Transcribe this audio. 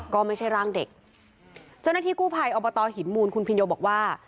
ก็ไม่ใช่ร่างเด็กเจ้าหน้าที่กู้ภัยอบตหินมูลคุณพินโยบอกว่า